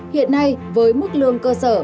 hiện nay với mức lương cơ sở